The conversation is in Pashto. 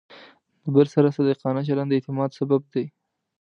د بل سره صادقانه چلند د اعتماد سبب دی.